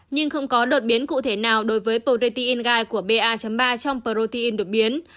nhưng không có đột biến cụ thể nào đối với protein gai của ba ba trong protein đột biến